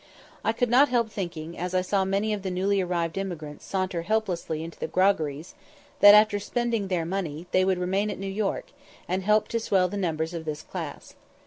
I could not help thinking, as I saw many of the newly arrived emigrants saunter helplessly into the groggeries, that, after spending their money, they would remain at New York, and help to swell the numbers of this class.